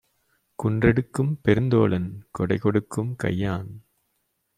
குன்றெடுக்கும் பெருந்தோளான் கொடைகொடுக்கும் கையான்!